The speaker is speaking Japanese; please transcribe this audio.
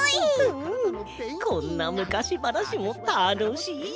うんこんなむかしばなしもたのしい。